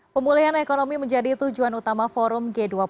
pemulihan ekonomi menjadi tujuan utama forum g dua puluh